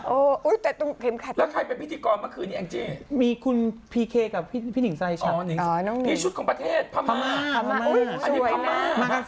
โอ้ยแต่ตรงครีมขาดนี้มีคุณพีเคกับพี่หนิงไซด์ชัดนะครับนี่ชุดของประเทศพม่าอันนี้พม่ามากัน๓คน